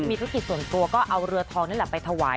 มีธุรกิจส่วนตัวก็เอาเรือทองนั่นแหละไปถวาย